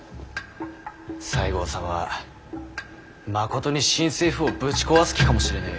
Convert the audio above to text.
西郷様はまことに新政府をぶち壊す気かもしれねぇ。